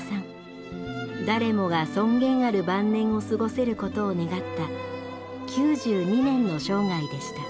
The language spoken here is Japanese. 誰もが尊厳ある晩年を過ごせることを願った９２年の生涯でした。